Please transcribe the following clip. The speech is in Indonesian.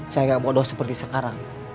saya nggak bodoh seperti sekarang